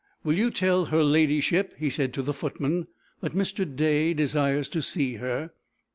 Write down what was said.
"Will you tell her ladyship," he said to the footman, "that Mr. Day desires to see her."